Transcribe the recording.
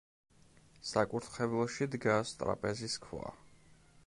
საკურთხეველში დგას ტრაპეზის ქვა.